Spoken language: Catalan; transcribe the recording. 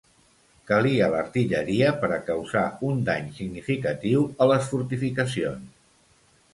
Calia l'artilleria per a causar un dany significatiu a les fortificacions.